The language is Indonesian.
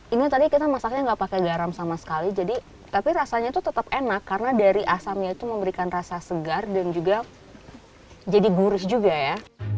ini tadi kita masaknya nggak pakai garam sama sekali jadi tapi rasanya tuh tetap enak karena dari asamnya itu memberikan rasa segar dan juga jadi gurih juga ya